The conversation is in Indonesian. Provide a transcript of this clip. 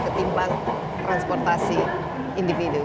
ketimbang transportasi individu